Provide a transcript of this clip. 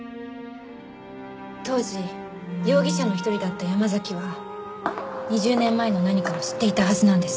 当時容疑者の一人だった山崎は２０年前の何かを知っていたはずなんです。